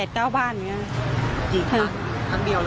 อีกครั้งครั้งเดียวเลย